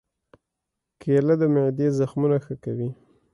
کېله د معدې زخمونه ښه کوي.